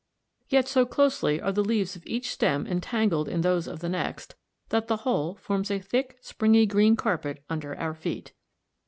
Yet so closely are the leaves of each stem entangled in those of the next that the whole forms a thick springy green carpet under our feet.